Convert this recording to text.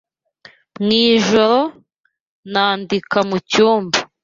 Mwijoro, nandika mucyumba.